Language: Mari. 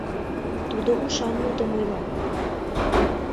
Тудо ушан мутым ойла.